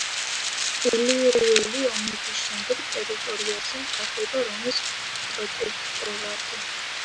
ილირიული ომების შემდეგ ტერიტორიაზე მყარდება რომის პროტექტორატი.